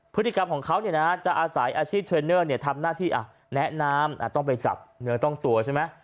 พฤติกรรมของเขาจะอาศัยอาชีพเทรนเนอร์ทำหน้าที่แนะน้ำต้องไปจับเนื้อต้องตัวใช่ไหม